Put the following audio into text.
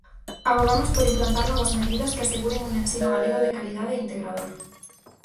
Avogamos por implantar novas medidas que aseguren un ensino galego de calidade e integrador.